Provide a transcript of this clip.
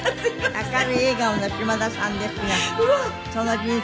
明るい笑顔の島田さんですがその人生は波瀾万丈。